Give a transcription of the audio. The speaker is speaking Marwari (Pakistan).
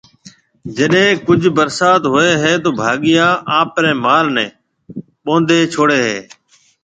جڏَي ڪجھ ڀرساتون ھوئيَ ھيََََ تو ڀاگيا آپرَي مال نيَ ٻونڌَي ڇوڙھيََََ ھيََََ